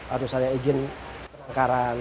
harus ada izin penangkaran